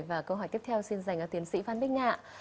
và câu hỏi tiếp theo xin dành cho tiến sĩ văn bích ngạ